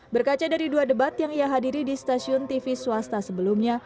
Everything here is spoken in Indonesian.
berkaca dari dua debat yang ia hadiri di stasiun tv swasta sebelumnya